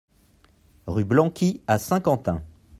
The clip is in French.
Rue Blanqui à Saint-Quentin